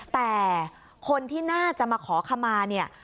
แต่คนที่น่าจะมาขอขมาเนี่ย